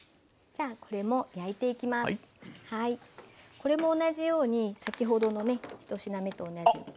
これも同じように先ほどのね１品目と同じように。